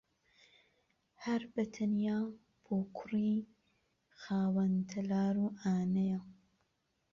هەر بەتەنیا بۆ کوڕی خاوەن تەلار و عانەیە